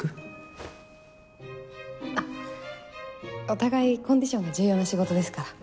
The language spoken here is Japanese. お互いコンディションが重要な仕事ですから。